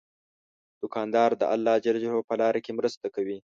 دوکاندار د الله په لاره کې مرسته کوي.